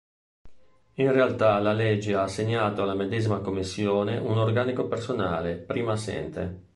In realtà la legge ha assegnato alla medesima Commissione un organico personale, prima assente.